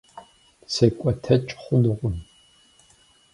Секӏуэтэкӏ хъунукъым.